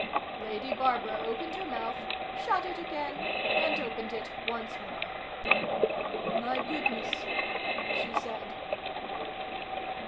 Lady Barbara opened her mouth, shut it again, and opened it once more. "My goodness," she said.